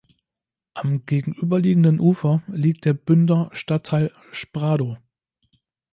Am gegenüberliegenden Ufer liegt der Bünder Stadtteil Spradow.